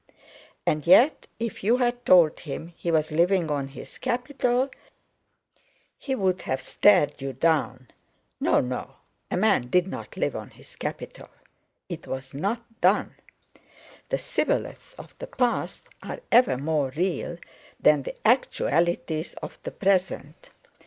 And yet, if you had told him he was living on his capital, he would have stared you down. No, no; a man did not live on his capital; it was not done! The shibboleths of the past are ever more real than the actualities of the present.